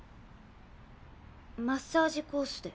マッサージコースで。